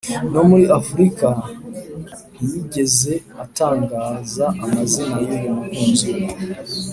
no muri afurika ntiyigeze atangaza amazina y’uyu mukunzi we,